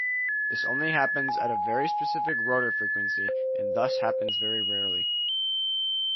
This only happens at a very specific rotor frequency and thus happens very rarely.